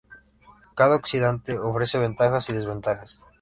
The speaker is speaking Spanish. Cada oxidante ofrece ventajas y desventajas.